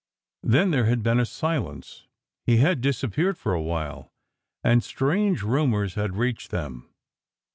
Then there had been a silence; he had disappeared for a while, and strange rumours had reached them.